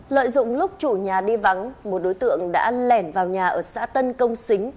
lợi dụng lúc chủ nhà đi vắng một đối tượng đã lẻn vào nhà ở xã tân công xính